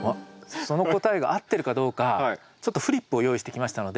その答えが合ってるかどうかちょっとフリップを用意してきましたので。